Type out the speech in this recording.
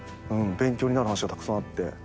勉強になる話がたくさんあって。